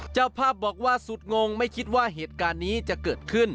เจ้าภาพบอกว่าสุดงงไม่คิดว่าเหตุการณ์นี้จะเกิดขึ้น